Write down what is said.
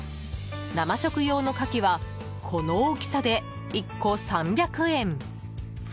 生食用のカキはこの大きさで１個３００円。